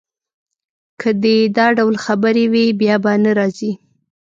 که دي دا ډول خبرې وې، بیا به نه راځې.